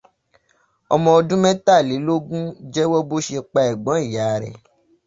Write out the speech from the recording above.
Ọmọ ọdún mẹ́talélógún jẹ́wọ́ bó ṣe pa ẹ̀gbọ́n ìyá rẹ́.